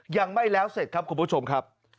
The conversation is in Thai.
ยังไม่แล้วเสร็จครับคุณผู้ชมครับ